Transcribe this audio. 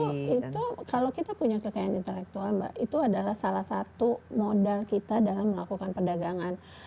dan itu kalau kita punya kekayaan intelektual mbak itu adalah salah satu modal kita dalam melakukan perdagangan